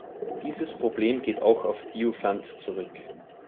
Dieses Problem geht auch auf Diophant zurück.